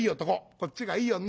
こっちがいい女。